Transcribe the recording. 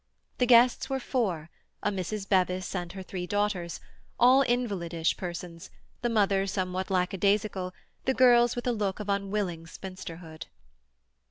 The guests were four—a Mrs. Bevis and her three daughters—all invalidish persons, the mother somewhat lackadaisical, the girls with a look of unwilling spinsterhood.